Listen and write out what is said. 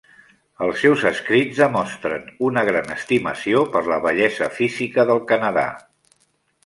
Els seus escrits demostren una gran estimació per la bellesa física del Canadà.